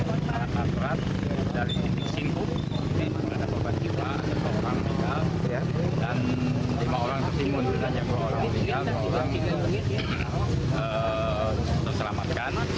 lima orang tertimbun dua orang meninggal dua orang terselamatkan